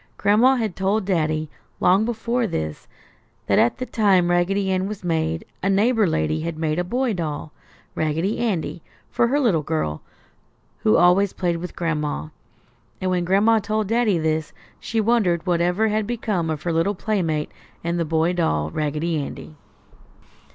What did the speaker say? Gran'ma had told Daddy, long before this, that at the time Raggedy Ann was made, a neighbor lady had made a boy doll, Raggedy Andy, for her little girl, who always played with Gran'ma. And when Gran'ma told Daddy this she wondered whatever had become of her little playmate and the boy doll, Raggedy Andy.